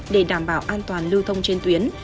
để đảm bảo an toàn lưu thông trên tuyến